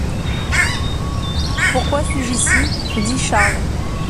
Pourquoi suis-je ici ? dit Charles.